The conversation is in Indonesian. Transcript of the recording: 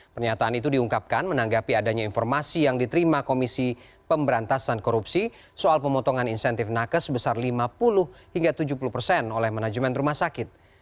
pernyataan itu diungkapkan menanggapi adanya informasi yang diterima komisi pemberantasan korupsi soal pemotongan insentif nakes sebesar lima puluh hingga tujuh puluh persen oleh manajemen rumah sakit